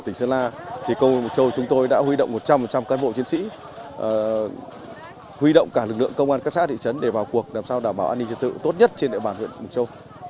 thì công an mộc châu đã huy động một trăm linh các bộ chiến sĩ huy động cả lực lượng công an các xã thị trấn để vào cuộc đảm bảo an ninh trật tự tốt nhất trên địa bàn huyện mộc châu